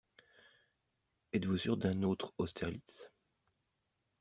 Êtes-vous sûr d'un autre Austerlitz?